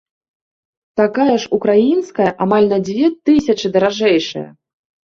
Такая ж украінская амаль на дзве тысячы даражэйшая.